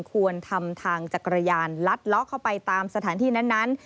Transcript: ควรทำทางจักรยานลัดล็อกเข้าไปตามสถานที่นั้น